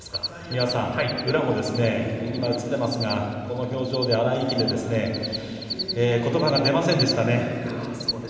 宇良も今、映っていますがこの表情で荒い息でことばが出ませんでしたね。